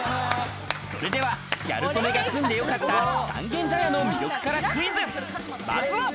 それではギャル曽根が住んでよかった三軒茶屋の魅力からクイズ。